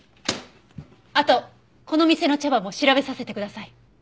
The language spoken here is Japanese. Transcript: あとこの店の茶葉も調べさせてください。